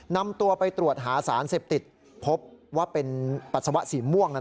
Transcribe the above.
นำตัวไปตรวจหาสารเสพติดพบว่าเป็นปัสสาวะสีม่วง